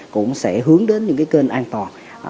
cũng sẽ hướng đến những cái kênh an toàn